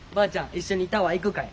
一緒にタワー行くかえ？